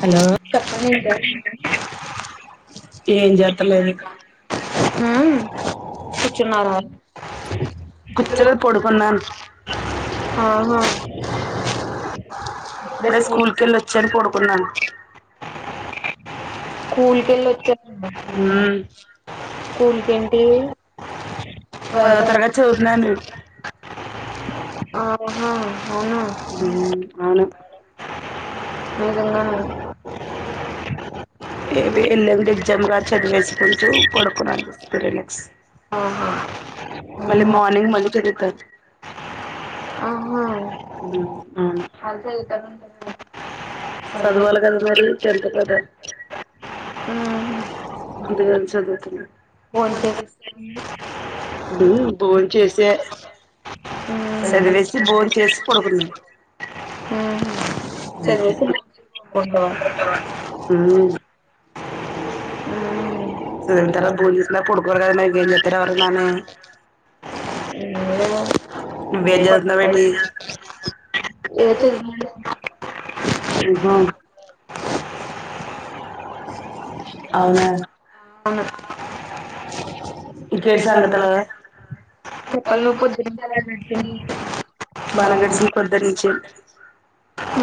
Hello చెప్పన ఉంట ఏం చేత్రలేదు హ్మ్ కూర్చున్నారా కుచ్చలు పొడుకున్నాను ఆహా ఇప్పుడే స్కూల్కి స్కూల్ వెళ్ళి వచ్చాను పోడుకుంనాను స్కూల్క వెళ్ళి వచ్చడి ఉమ్ స్కూల్ పెంటి పదో తరగతి చదువుతున్నాండి ఆహ అవును నిజంగాన ఏబి ఎల్లుడి ఎగ్జమ్ గా చదివేసుకుంచు పడుకున్నా ర నెక్స్ట్ ఓహో మళ్ళ మార్నింగ్ మళ్ళ చదిత ఆహా అ సత ఉంట చదువాలి కదా మరికంత కదా హ్మ్ అందుేగాేళ చదువుతున్నా భోన్ ఫోన్ చేస్ చే ఉ బోన్ చేసే హ్మ్ చదివేసి బోన్ చేసి పడుకున్నాం హ్మ్ అ చదివేసి పడుకుంటావా ఆ ఉ హ్మ్ స తాల పూజ కొడుకోత్రవందను వ్యజ పెటి ఏదో చదివిందండి హ అవునా అవును ఇంకా అంటూ సంగతులు చెప్ప చెప్పలు నువ్వు ను్వుొద్దు పొద్దునుంచి ని పెట్టింది బాన గడిచిన పొద్దు నుంచి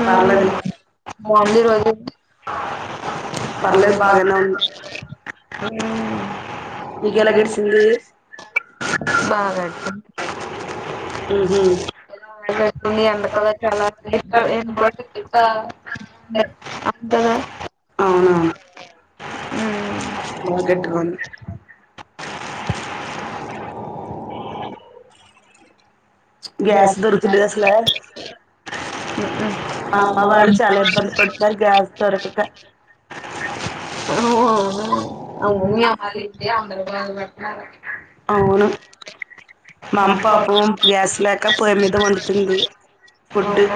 పలేదులే బాగుంది రోజు పలేదు బాగనే ఉ ఉ నీకు ఎలా గెడ్సింది బాగా ఊహు అంది ఎందుకలో చాలా కూడా అంతదా మాకెట్కుంది గ్యాస్ తరుతున్న దసలు మా అమ్మ వాళ్ళు చాలా ఇబ్బంది పడుతున్నారు గ్యాస్ దొరకక అవును మీ ాల అ అవును మా అమ్మ పాపం గ్యాస్ లేక పొయ్య మీద వండుతుంది ఫుడ్డు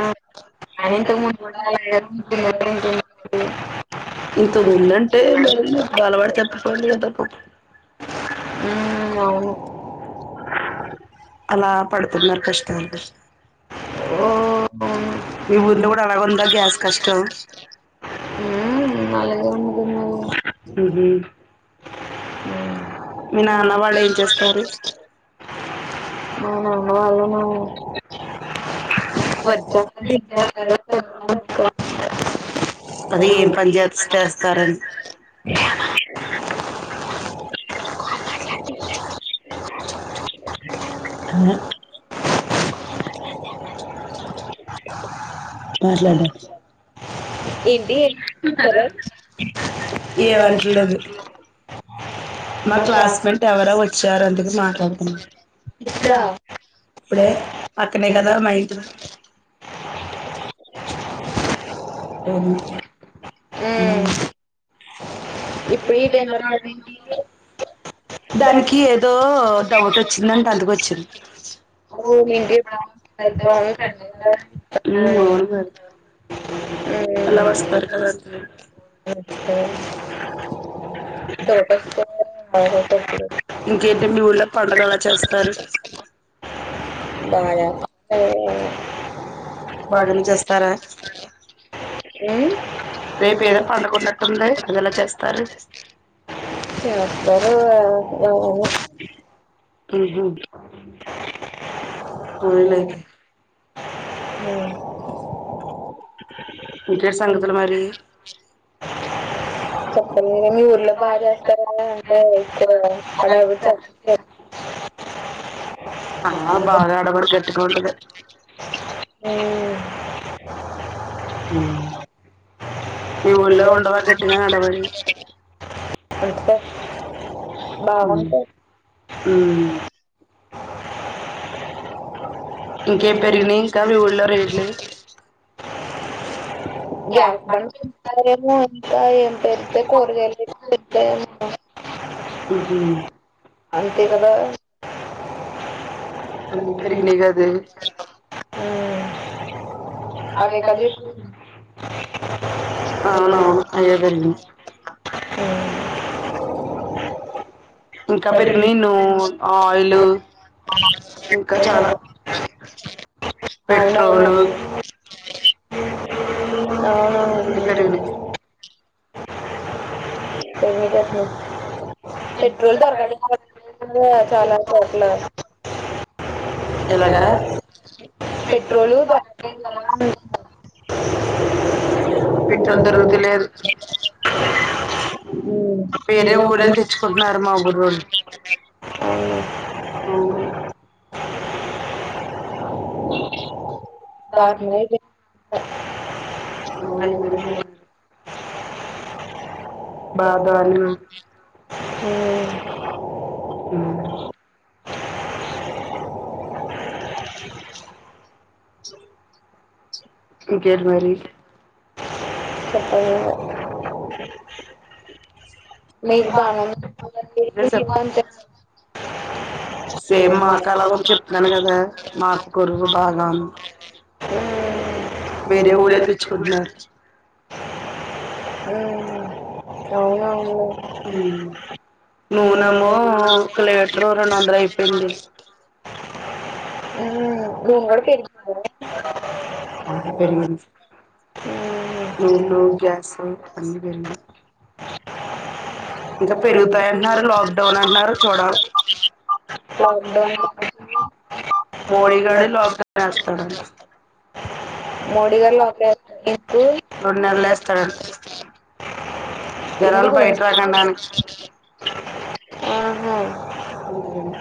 అ [inaudible] ఇంత ముందంటే మ బాలవాడ చెప్పు పోడింత పో మ్మ్ అవును అలా పడుతున్నారు కష్టాలు కష్టం ఓ అవును మీ ఊర్లో కూడా అలాగ ఉందా గ్యాస్ కష్టం ఉ అలాగే ఉంటుంది ఊహు మీ నాన్న వాళ్ళు ఏం చేస్తారు మా నాన్న వాళ్ళు నా వది ఇ అది ఏం పని చేేసి చేస్తారని [inaudible] అన మాట్లాంట ఏంటి మ్మ్ ఏమనిట్లేదు మా క్లాస్ మేట్ ఎవరో వచ్చారు అందుకు మాట్లాడుతున్నా అప్పుడే పక్కనే కదా మైంటి ఉ [inaudible] ఇప్పుడు ఈ టైమ్ ఎ వాటంటి దానికి లో ఏదో డౌట్ వచ్చిందంటే అందుకు వచ్చింది అ మేము మీకు ఎప్పుడ ఇంటికి ఎప్పుడైనా సండే కదా అలా వస్ పారు కద ఇంకేంటి మీ ఊర్లో పండగ ఎలా చేస్తారు బాగా [inaudible] బాగానే ఉమ్ చేస్తారు చేస్తారా రేపు ఏదో పండగునట్టుంది అది ఎలా చేస్తారు చేస్తారు ఉహుమ్ పోనీలేయితే ఇంకేంటి సంగతులు మరి చెప్పండి మీ ఊర్లో బాగా చేస్తారా అంటే ఇక్కడ హడావిడి చేస్తారు [inaudible] ఆ బాగా ఆడవిడి గట్టిగా ఉంటది ఉమ్ ఉహుమ్ మీ ఊర్లో ఉండవా గట్టిగా అడవిడి అంతే అవును బాగుంటాయి ఇంకేం పెరిగినీ ఇంకా మీ ఊళ్లో రేట్లు గ్యాస్ బాండ్ మరేమో ఇంకా ఏం పెరుతే [inaudible] ఆహ అంతే కదా అన్ని పెరిగినయి కదే అవి అవే ఇంకా కదా ఇప్పుడు పెంచుతుంది అవునవును అయ్యే పెరిగినాయి ఇంకా పెరిగినియి నూ ఆయిలు ఇంకా చాలా పెట్రోలు [inaudible] అన్ని పెరిగినాయి అవునవును పెట్రోల్ దొరకడి చాలా చోట్ల ఎలాగా పెట్రోలు దొరకట్లేదు కదా అంటున్నా. పెట్రోల్ దొరుకుతులేదు ఉమ్ మా ఊరోళ్ళు అవును దాంట్లోనే అ అయ్యి పెరిగాయి బాధలు [inaudible] హుమ్ ఇంకేంటి మరి చెప్ప మీకు బానే ఉంది అంతే [inaudible] సేమ్ మాకు అలాగ చెప్తాను కదా మాకు గురువు బాగాను వేరే ఊరెళ్ళి తెచ్చుకుంటున్నారు అవునవును నూనె నూనెము ఒక లీటరు రెండు వందలయిపోయింది నూన్ కూడా పెరిగి అవును పెరిగింది నును గ్యాసు అన్ని పెరిగినాయి ఇంకా పెరుగుతాయి అంటన్నారు లాక్డౌన్ అంటన్నారు చూడాలి లాక్డౌన్ లాక్డౌన్ మోడిగాడు లోక్డౌన్ వేస్తాడంటా మోడీ గారు లాక్డౌన్ ఎందుకు రెండు నెలలు వేస్తాడంట జనాలు ఎందుకు బయటకిరాకండ ఆహా అందుకని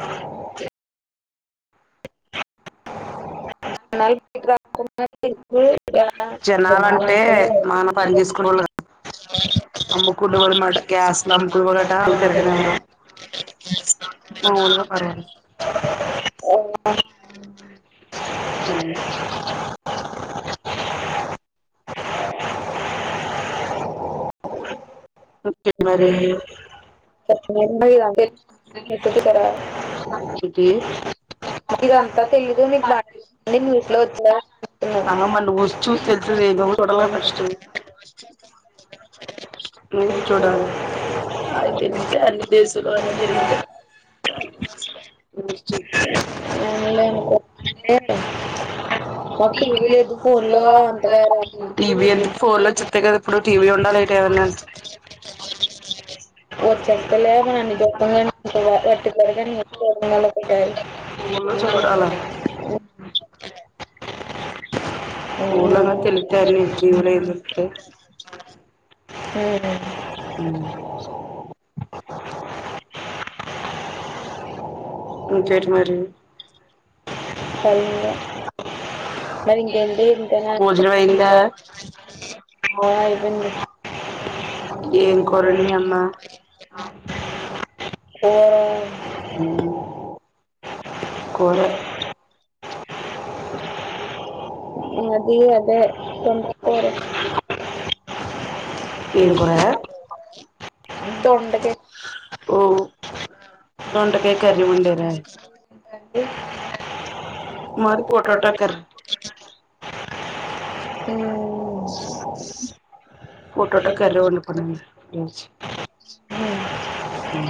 జనాలు అ బయటికి రాకుండా ఎందుకు ఎలా జనాలంటే మన పని చేసుకునే జనాలంటే వాళ్ళు కాద అమ్ముకునే వోరుమాట గ్యాస్లు అమ్ముకునే వొరట ఆళ్ళు తిరగనివ్వరు [unintelligible] ఆవును ఇంకే మరి [unintelligible] ఇది పెడదామని నీకు బాగా అన్ని న్యూస్ లో వచ్చారని ఆ అనుకున్నాను మరి నువొస్ చూస్తె తెలూత్తది నువ్వు చూడ్డం లో ఫస్టు నువ్వు చూడాల ఆయితేలిత్తె అన్ని దేశం లొ అన్ని తెలిత్తె [unintelligible] ఒకటి ఏమి లేదు ఫోన్ లో అంతగారారు టీవీ ఫోన్ లో చుత్తే కదా ఎప్పుడు టీవీ ఉండాలేటి ఏవన్నాని చ్చక్కలే మని అన్ని గొప్పంగా వట్టి పెడగా నారు ఫోన్ లో [unintelligible] [inaudible] అవును ఊర్లోనొ తెలిత్తె అన్నిఇచి ఈ ఊర్లో ఏం దొరుకుతాయి మ్ ఇంకేంటి మరీ అవును సరేలే మరి ఇంకేంటి భోజనమయిందా ఇంతేనా ఆ అయిపోయింది ఏం కూర వండింది మి అమ్మా మ్ కూరె ఈ అదే దొండకాయ కూర తె [unintelligible] దొండకాయ్ దొండకాయ కర్రీ వండే రా మాది పొటాటొ కర్రీ [inaudible] పొటాటో కర్రీ వండుకోండి మీరు ఇకనుంచి మ్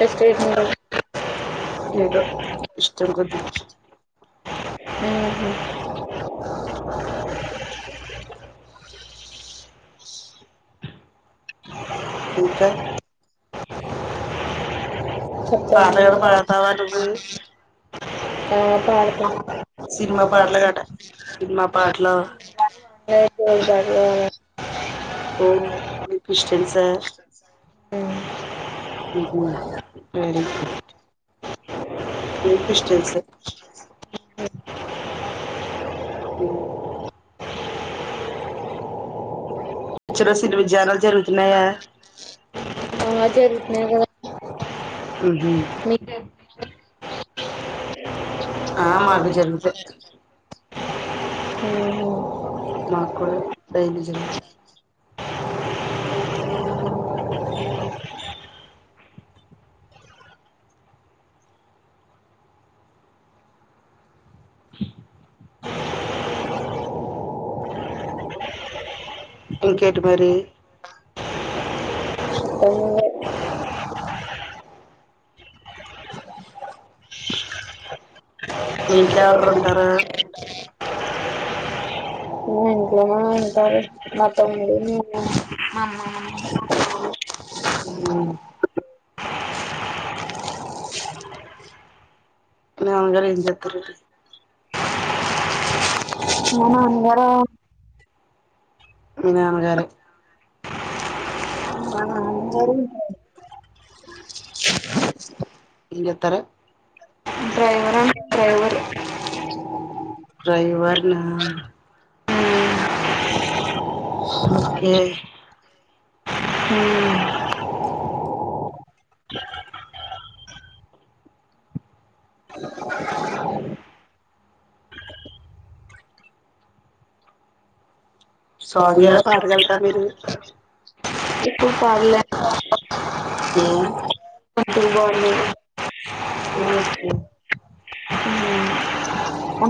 చేస్తున్నార ఏదో ఇష్టం కొద్ది ఇంకా పాటలు గట పాడతావా నువ్వు బా పాడత సినిమా పాటలు గట సినిమా పాటలు ఏమయ్యా పాటలు బా పాడత ఓ మీరు క్రిస్టియన్సా మ్ హు వెరీ గుడ్ ఎంత ఇష్టం సర్ మ్ చర్చ లసలు ఉమ్ ధ్యానాలు జరుగుతున్నాయా బాగా జరుగుతున్నాయి కదా మ్ హుమ్ మీ ఆ మాకు జరుగుతాయి మాకు కూడా డైలీ జరుగుతాయి ఇంకేటి మరీ మీ ఇంట్లో మా ఎవర్రెరు ఉంటారూ ఇంట్లోనే ఉంటారు మా తమ్ముడు నేను మా అమ్మ మా నాన్న మా మామ మ్ హుమ్ మేమందరం ఇంటి దగ్గరుంటాం. అందరా మీ నాన్నగారు. మా నాన్నగారు [inaudible] ఏం జేత్తరు. డ్రైవర్ అంటే డ్రైవర్ డ్రైవర్ నా ఓకే ఉమ్. స్వాంగల్ పాడగల్రా మీరూ. ఇప్పుడు పాడ్లేను. ఏ ఇప్పుడు పాడలేను. ఓకే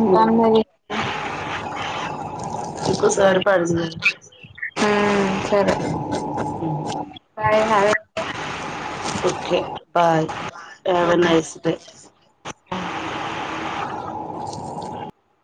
వన్ మినిట్ [unintelligible] ఊ ఇంకోసారి పాడుదురు సరె. Bye [unintelligible] okay bye have nice day.